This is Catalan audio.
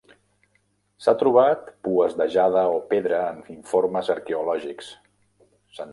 S'ha trobat pues de jade o pedra en informes arqueològics.